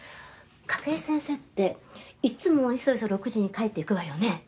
筧先生っていっつもいそいそ６時に帰っていくわよね。